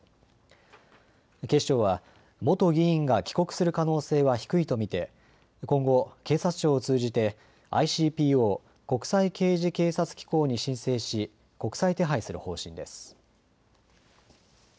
警視庁は元議員が帰国する可能性は低いと見て今後、警察庁を通じてＩＣＰＯ・国際刑事警察機構に申請し国際手配する方針です。